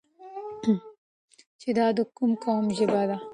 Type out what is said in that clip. چې دا د کوم قوم ژبه ده؟